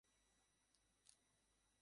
Cactus বিভিন্ন line up পরিবর্তন আছে।